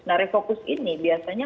nah refokus ini biasanya